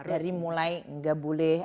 dari mulai enggak boleh